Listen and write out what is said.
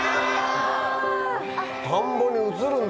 田んぼに映るんだ